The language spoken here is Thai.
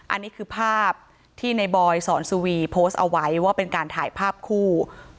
อันนี้คือภาพที่ในบอยสอนสุวีโพสต์เอาไว้ว่าเป็นการถ่ายภาพคู่